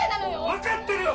分かってるよ！